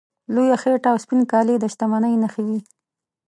لویه خېټه او سپین کالي د شتمنۍ نښې وې.